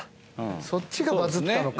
そっちがバズったのか。